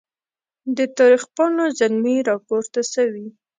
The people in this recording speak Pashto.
د تاریخ پاڼو زلمي راپورته سوي